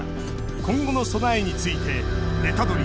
今後の備えについてネタドリ！